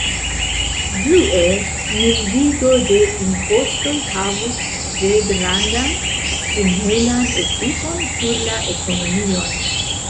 Due, mildigo de impostoj havus tre grandan stimulan efikon sur la ekonomion.